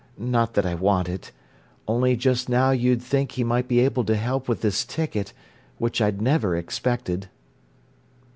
Not that I want it. Only just now you'd think he might be able to help with this ticket, which I'd never expected."